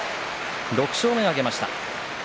６勝目を挙げました。